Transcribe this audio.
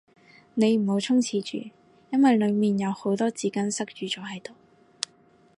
你唔好衝廁住，因為裏面有好多紙巾塞住咗喺度